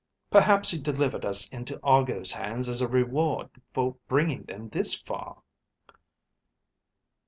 Perhaps he delivered us into Argo's hands as a reward for bringing them this far?"